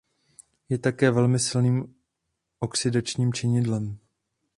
Je také velmi silným oxidačním činidlem.